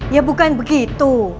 ya bukan begitu